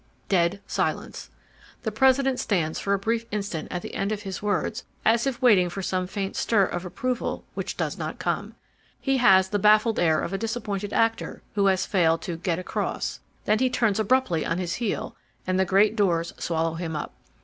Dead silence. The President stands for a brief instant at the end of his words as if waiting for some faint stir of approval which does not come. He has the baffled air of a dis appointed actor who has failed to "get across." Then he turns abruptly on his heel and the great doors swallow him up.